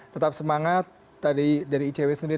tetap semangat tadi dari icw sendiri